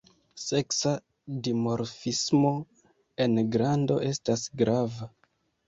Seksa dimorfismo en grando estas grava.